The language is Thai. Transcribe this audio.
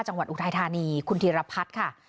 จังหวัดอุทัยธานีคุณธีรพัฒน์ค่ะ